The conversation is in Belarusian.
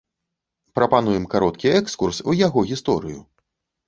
Прапануем кароткі экскурс у яго гісторыю.